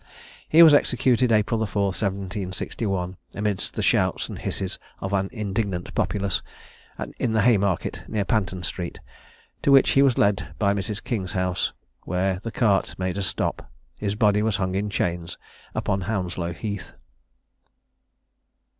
He was executed April the 4th 1761, amidst the shouts and hisses of an indignant populace, in the Haymarket, near Panton street, to which he was led by Mrs. King's house, where the cart made a stop. His body was hung in chains upon Hounslow Heath.